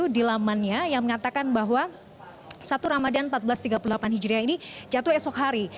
di lamannya yang mengatakan bahwa satu ramadan seribu empat ratus tiga puluh delapan hijriah ini jatuh esok hari